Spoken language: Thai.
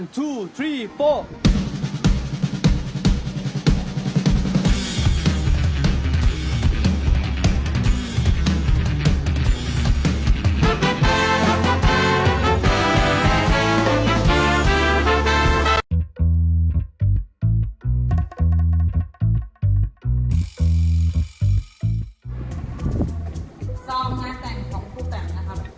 ซ้อมงานแต่งของครูแต่งนะครับ